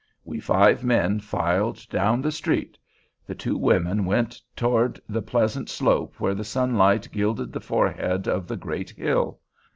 We five men filed down the street. The two women went toward the pleasant slope where the sunlight gilded the forehead of the great hill.